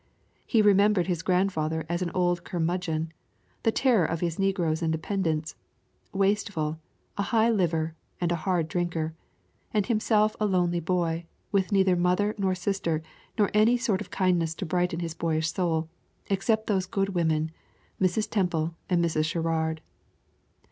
He remembered his grandfather as an old curmudgeon, the terror of his negroes and dependents, wasteful, a high liver, and a hard drinker; and himself a lonely boy, with neither mother nor sister, nor any sort of kindness to brighten his boyish soul, except those good women, Mrs. Temple and Mrs. Sherrard.